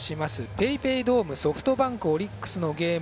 ＰａｙＰａｙドームソフトバンク、オリックスのゲーム